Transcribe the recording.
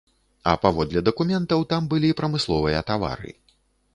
А паводле дакументаў, там былі прамысловыя тавары.